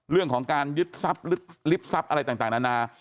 เรื่องของการยึดซับริบซับอะไรต่างนานา